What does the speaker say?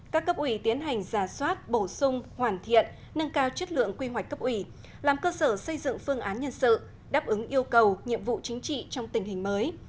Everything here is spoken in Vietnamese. các cấp ủy tiến hành giả soát bổ sung hoàn thiện nâng cao chất lượng quy hoạch cấp ủy làm cơ sở xây dựng phương án nhân sự đáp ứng yêu cầu nhiệm vụ chính trị trong tình hình mới